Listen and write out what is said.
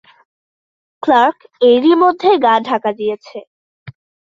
Clerk এরই মধ্যে গা ঢাকা দিয়েছে।